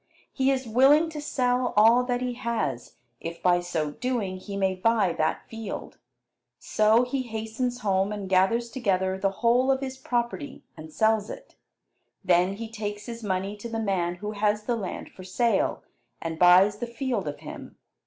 He is willing to sell all that he has if by so doing he may buy that field. So he hastens home, and gathers together the whole of his property and sells it. Then he takes his money to the man who has the land for sale, and buys the field of him.